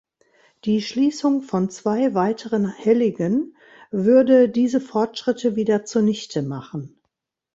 Die Schließung von zwei weiteren Helligen würde diese Fortschritte wieder zunichte machen.